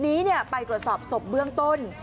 นี้ไปตรวจสอบศพเบื้องต้น